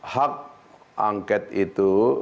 hak angket itu